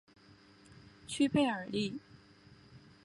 屈佩尔利。